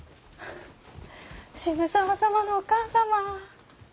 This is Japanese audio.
渋沢様のお母様！